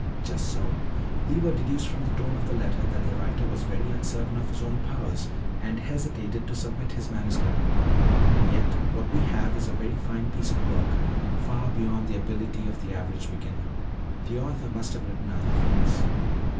"Just so. Lever deduced from the tone of the letter that the writer was very uncertain of his own powers and hesitated to submit his manuscript. And yet, what we have is a very fine piece of work, far beyond the ability of the average beginner. The author must have written other things.